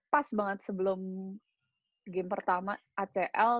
pas banget sebelum game pertama acl